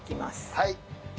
はい。